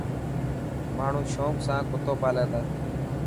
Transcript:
ماڻو شونق سان ڪتو پالي تا.